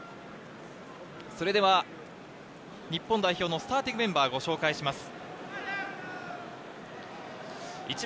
それでは日本代表のスターティングメンバーをご紹介します。